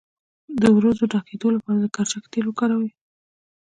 د وروځو د ډکیدو لپاره د کرچک تېل وکاروئ